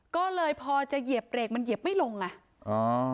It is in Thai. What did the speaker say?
ก็เลยพอจะเหยียบเรกมันเหยียบไม่ลงไงอ่า